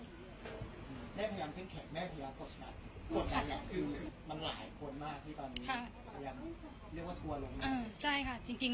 มากที่ตอนนี้ค่ะค่ะเออใช่ค่ะจริงจริง